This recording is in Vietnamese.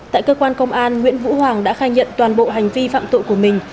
tại cơ quan công an nguyễn vũ hoàng đã khai nhận toàn bộ hành vi phạm tội của mình